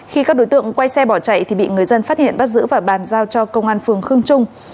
khi các đối tượng quay xe bỏ chạy thì bị người dân phát hiện bắt giữ và bàn giao cho công an phường khương trung